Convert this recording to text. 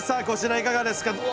こちらいかがですか？